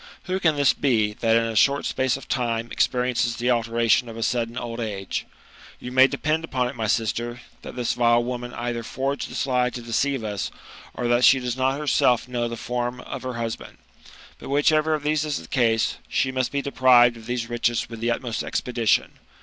Who can this be, that in a short space of thne experiences the alteration of a sudden old age ? You may depend upon it, jny sister, that this vile woman either forged this lie to deceive us, or that she does not herself know the form of her husband. But whichever of these is the case, she must be deprived of these riches with the utmost expedition.